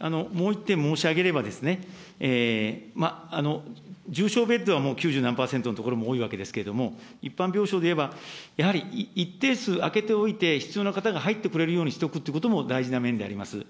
もう１点、申し上げれば、重症ベッドはもう、九十何％の所が多いわけですけれども、一般病床でいえば、やはり一定数空けておいて必要な方が入ってくれるようにしておくということも大事な面であります。